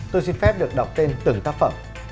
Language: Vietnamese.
tôi xin phép được đọc tên từng tác phẩm